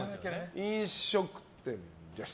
飲食店です。